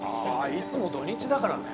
いつも土日だからね。